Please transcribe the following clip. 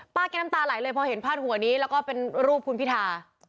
แกน้ำตาไหลเลยพอเห็นพาดหัวนี้แล้วก็เป็นรูปคุณพิธา